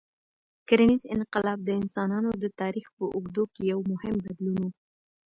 کرنيز انقلاب د انسانانو د تاریخ په اوږدو کې یو مهم بدلون و.